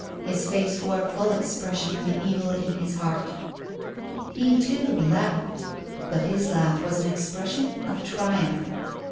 His face wore full expression of the evil in his heart. He, too, laughed; but his laugh was an expression of triumph.